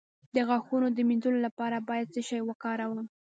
د غاښونو د مینځلو لپاره باید څه شی وکاروم؟